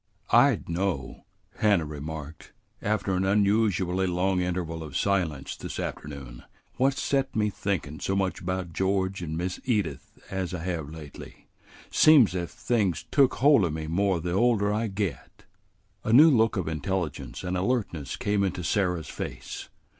"I d' know," Hannah remarked, after an unusually long interval of silence this afternoon, "what's set me thinkin' so much 'bout George and Miss Edith as I hev' lately. Seems ef things took hold o' me more the older I get." A new look of intelligence and alertness came into Sarah's face.